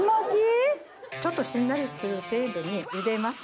ちょっとしんなりする程度にゆでます。